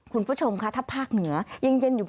คุณผู้ชมค่ะถ้าภาคเหนือยังเย็นอยู่